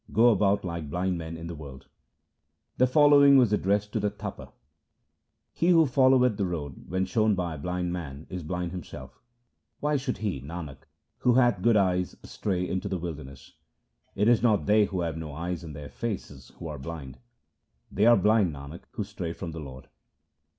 £ 2 52 THE SIKH RELIGION The following was addressed to the Tapa :— He who followeth the road when shown by a blind man is blind himself ; Why should he, Nanak, who hath good eyes stray into the wilderness ? It is not they who have no eyes in their faces who are blind; They are blind, Nanak, who stray from the Lord.